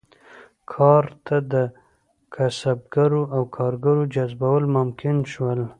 کار ته د کسبګرو او کارګرو جذبول ممکن شول.